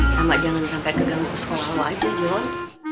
sama jangan sampai keganggu ke sekolah lo aja jon